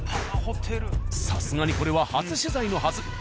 さすがにこれは初取材のはず。